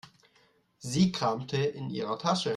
Sie kramte in ihrer Tasche.